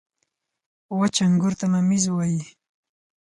• وچ انګور ته مميز وايي.